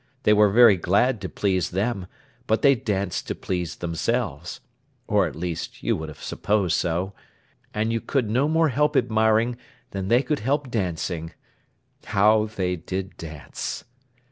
They were very glad to please them, but they danced to please themselves (or at least you would have supposed so); and you could no more help admiring, than they could help dancing. How they did dance!